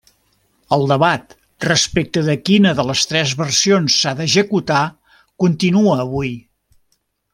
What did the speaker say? El debat respecte de quina de les tres versions s'ha d'executar, continua avui.